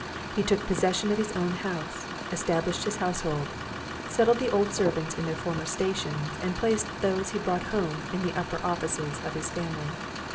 He took possession of his own house, established his household, settled the old servants in their former stations, and placed those he brought home in the upper offices of his family.